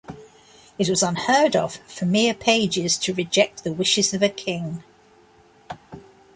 It was unheard of for mere pages to reject the wishes of a king.